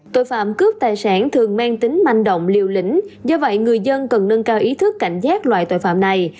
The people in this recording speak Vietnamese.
tội phạm cướp tài sản thường mang tính manh động liều lĩnh do vậy người dân cần nâng cao ý thức cảnh giác loại tội phạm này